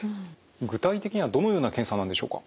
具体的にはどのような検査なんでしょうか？